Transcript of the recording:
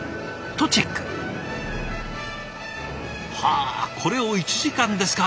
あこれを１時間ですか。